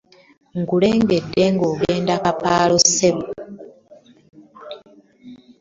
Nkulengedde ng'ogenda kapaalo ssebo.